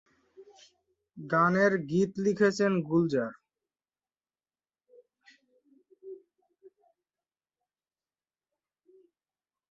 গানের গীত লিখেছেন গুলজার।